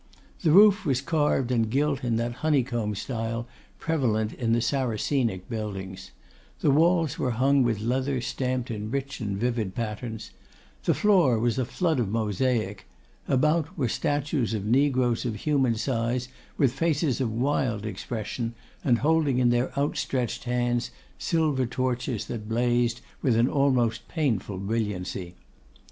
The roof was carved and gilt in that honeycomb style prevalent in the Saracenic buildings; the walls were hung with leather stamped in rich and vivid patterns; the floor was a flood of mosaic; about were statues of negroes of human size with faces of wild expression, and holding in their outstretched hands silver torches that blazed with an almost painful brilliancy.